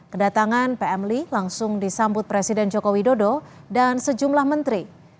kedatangan pm lee langsung disambut presiden joko widodo dan sejumlah menteri